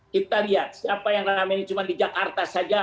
kita lihat siapa yang ramainya cuma di jakarta saja